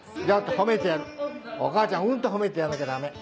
褒めてやるお母ちゃんうんと褒めてやんなきゃダメ。